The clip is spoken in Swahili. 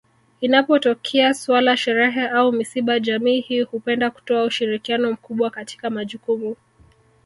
Inapotokea suala sherehe au misiba jamii hii hupenda kutoa ushirikiano mkubwa katika majukumu